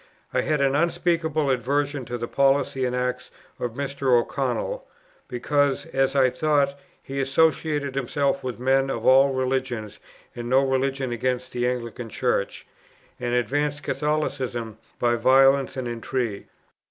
I had an unspeakable aversion to the policy and acts of Mr. O'Connell, because, as I thought, he associated himself with men of all religions and no religion against the Anglican Church, and advanced Catholicism by violence and intrigue.